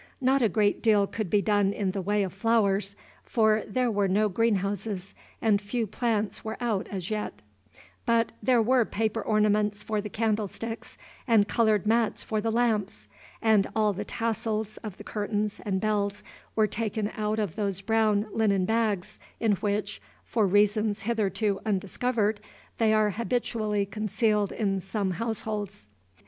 Not a great deal could be done in the way of flowers, for there were no greenhouses, and few plants were out as yet; but there were paper ornaments for the candlesticks, and colored mats for the lamps, and all the tassels of the curtains and bells were taken out of those brown linen bags, in which, for reasons hitherto undiscovered, they are habitually concealed in some households.